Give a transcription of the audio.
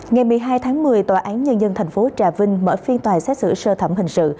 ngày một mươi hai tháng một mươi tòa án nhân dân tp trà vinh mở phiên tòa xét xử sơ thẩm hình sự